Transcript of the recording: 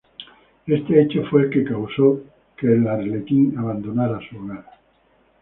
Este hecho fue el que causó que el arlequín abandonara su hogar.